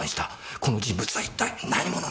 この人物は一体何者なんだ？